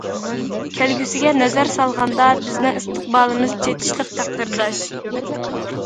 كەلگۈسىگە نەزەر سالغاندا، بىزنىڭ ئىستىقبالىمىز چېتىشلىق، تەقدىرداش.